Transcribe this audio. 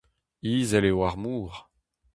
Izel eo ar mor.